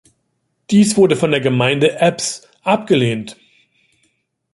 Dies wurde von der Gemeinde Ebbs abgelehnt.